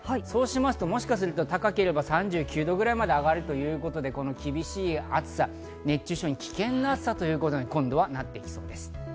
もしかすると高ければ３９度くらいまで上がるということで、厳しい暑さ、熱中症に危険な暑さということになってきそうです。